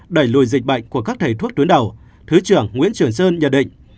đẩy lùi dịch bệnh của các thầy thuốc tuyến đầu thứ trưởng nguyễn trường sơn nhận định